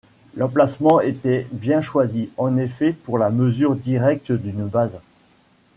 L’emplacement était bien choisi, en effet, pour la mesure directe d’une base.